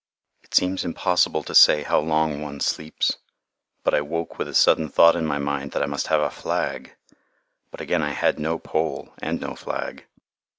It seems impossible to say how long one sleeps, but I woke with a sudden thought in my mind that I must have a flag; but again I had no pole and no flag.